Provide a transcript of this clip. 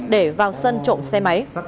để vào sân trộm xe máy